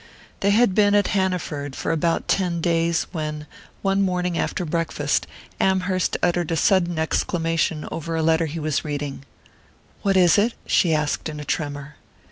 They had been at Hanaford for about ten days when, one morning at breakfast, Amherst uttered a sudden exclamation over a letter he was reading. "What is it?" she asked in a tremor.